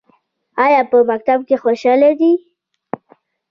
ایا په مکتب کې خوشحاله دي؟